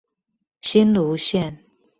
新蘆線